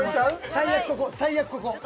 最悪ここ最悪ここ。